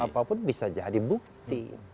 apapun bisa jadi bukti